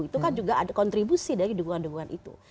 itu kan juga ada kontribusi dari dukungan dukungan itu